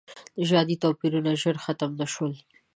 نژادي توپیرونه ژر ختم نه شول.